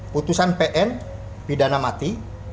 putusan pn pidana mati